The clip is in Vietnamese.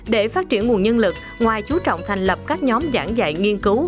để phát triển nguồn nhân lực ngoài chú trọng thành lập các nhóm giảng dạy nghiên cứu